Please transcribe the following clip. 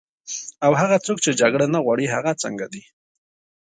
او هغه څوک چې جګړه نه غواړي، هغه څنګه دي؟